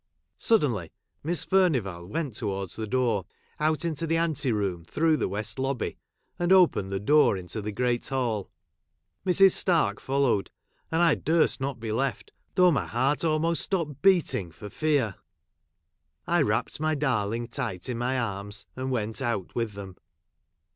Suddenly Miss Furnivall Avent towards the door, out into the ante room, through the west lobb}', and opened the door into the great hall. Mrs. Stark folloAved, and I durst not be left, though my heai't almost stopped beating for fear. I wrapped my darling tight in my arms, and 'went out with them.